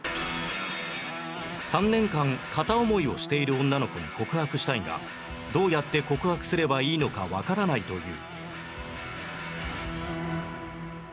３年間片思いをしている女の子に告白したいがどうやって告白すればいいのかわからないという